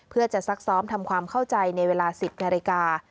เพื่อจะซักซ้อมทำความเข้าใจในเวลา๑๐นาฬิกา